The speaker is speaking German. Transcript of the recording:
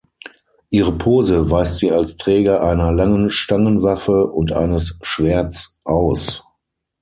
Ihre Pose weist sie als Träger einer langen Stangenwaffe und eines Schwerts aus.